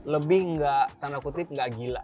lebih gak tanda kutip gak gila